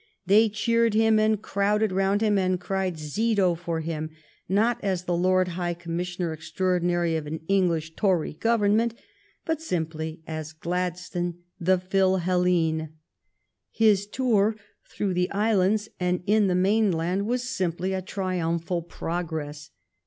They cheered him, and crowded round him, and cried "Zeto" for him, not as the Lord High Commissioner Extraordinary of an English Tory Government, but simply as Glad stone the Philhellene. His tour through the islands and in the mainland was simply a trium phal progress.